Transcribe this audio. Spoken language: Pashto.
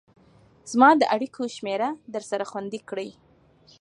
زما د اړيكو شمېره درسره خوندي کړئ